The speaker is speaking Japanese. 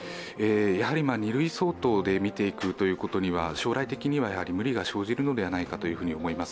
２類相当で見ていくということには、将来的には無理が生じるのではないかと思います。